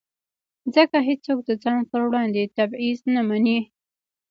ځکه هېڅوک د ځان پر وړاندې تبعیض نه مني.